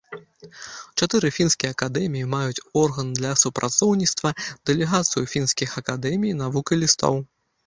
Чатыры фінскія акадэміі маюць орган для супрацоўніцтва, дэлегацыю фінскіх акадэмій навук і лістоў.